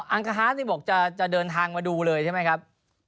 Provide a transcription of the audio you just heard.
อ๋ออังคาร์ฮาสบอกจะเดินทางมาดูเลยใช่ไหมครับ